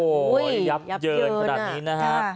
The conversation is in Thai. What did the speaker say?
โอ้โหยับเยินขนาดนี้นะฮะ